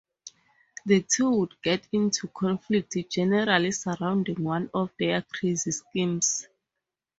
The two would get into conflicts generally surrounding one of their crazy schemes.